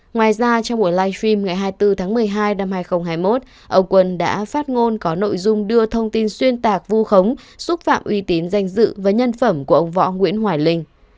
ngoài ra trong buổi live stream ngày hai mươi bốn tháng một mươi hai năm hai nghìn hai mươi một ông quân đã phát ngôn có nội dung đưa thông tin xuyên tạc vu khống xúc phạm uy tín danh dự và nhân phẩm của ông võ nguyễn hoài linh